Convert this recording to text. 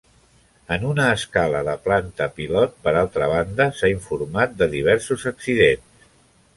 En una escala de planta pilot, per altra banda, s'ha informat de diversos accidents.